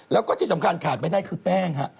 แล้วก็ที่สำคัญขาดไม่ได้คือแป้งฮะ